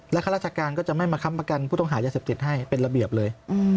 ข้าราชการก็จะไม่มาค้ำประกันผู้ต้องหายาเสพติดให้เป็นระเบียบเลย